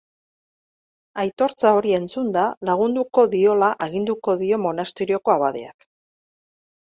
Aitortza hori entzunda, lagunduko diola aginduko dio monasterioko abadeak.